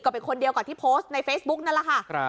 เป็นคนเดียวกับที่โพสต์ในเฟซบุ๊กนั่นแหละค่ะ